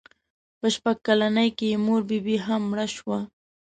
په شپږ کلنۍ کې یې مور بي بي هم مړه شوه.